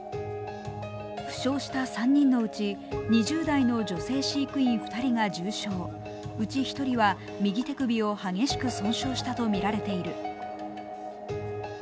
負傷した３人のうち２０代の女性飼育員２人が重傷、うち１人は右手首を激しく損傷したとみられている。